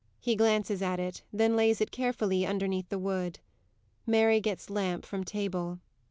[He glances at it, then lays it carefully underneath the wood. MARY _gets lamp from table.